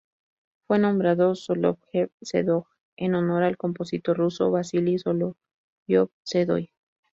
Fue nombrado Solovjev-Sedoj en honor al compositor ruso Vasili Soloviov-Sedói.